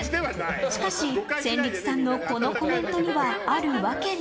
しかし戦慄さんのこのコメントには、ある訳が。